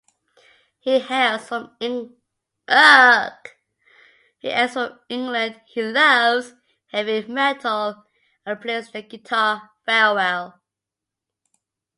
He hails from England, he loves heavy metal and plays the guitar very well.